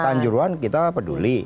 tanjuruhan kita peduli